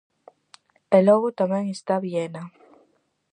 E logo tamén está Viena.